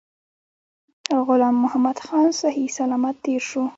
غلام محمدخان صحی سلامت تېر شو.